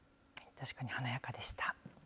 確かに華やかでした。